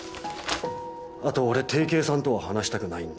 あと俺定型さんとは話したくないんで。